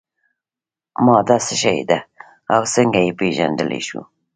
ماده څه شی ده او څنګه یې پیژندلی شو.